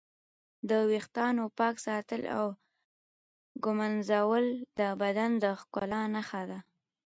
د ویښتانو پاک ساتل او ږمنځول د بدن د ښکلا نښه ده.